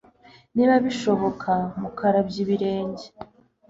Niba bishoboka mukarabye ibirenge